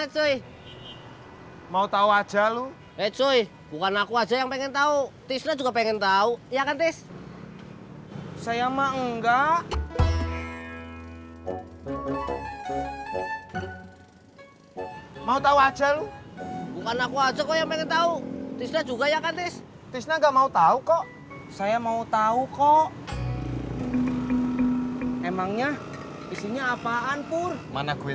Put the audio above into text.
saksikan film kamu tidak sendiri